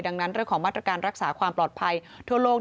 ดังนั้นเรื่องของมาตรการรักษาความปลอดภัยทั่วโลก